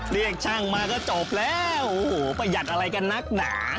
เรียกช่างมาก็จบแล้วโอ้โหประหยัดอะไรกันนักหนา